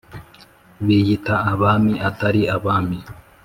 biyita abami atari abami